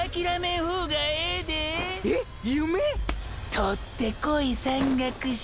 ⁉獲ってこい山岳賞。